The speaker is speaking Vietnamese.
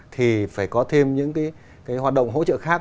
thì phải có thêm những cái hoạt động hỗ trợ khác